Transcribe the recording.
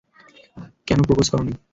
কেনো প্রপোজ করোনি?